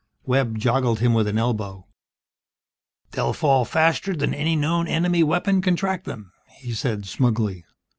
Webb joggled him with an elbow. "They'll fall faster than any known enemy weapon can track them," he said, smugly.